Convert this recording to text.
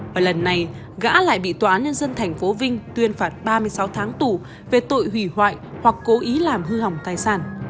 và lần này gã lại bị tóa nhân dân thành phố vinh tuyên phạt ba mươi sáu tháng tù về tội hủy hoại hoặc cố ý làm hư hỏng tài sản